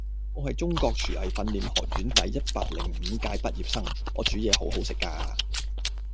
我係中國廚藝訓練學院第一百零五屆畢業生，我煮嘢好好食㗎